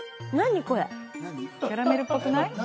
キャラメルっぽくない？